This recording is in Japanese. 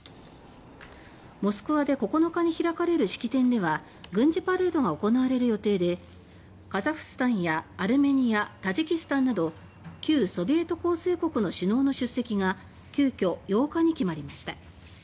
モスクワで９日に開かれる式典では軍事パレードが行われる予定でカザフスタンやアルメニアタジキスタンなど旧ソビエト構成国の首脳の出席が急遽８日に決まりました。